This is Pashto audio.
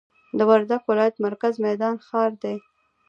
د وردګ ولایت مرکز میدان ښار دی